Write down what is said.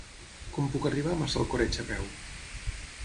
Com puc arribar a Massalcoreig a peu?